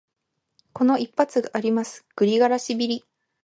この一発があります、グリガラシビリ。